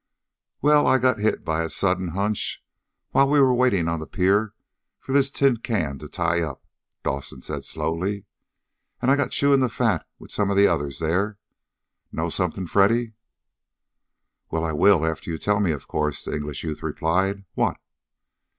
"Well, I got hit by a sudden hunch, while we were waiting on the pier for this tin can to tie up," Dawson said slowly. "And I got chewing the fat with some of the others there. Know something, Freddy?" "Well, I will after you tell me, of course," the English youth replied. "What?"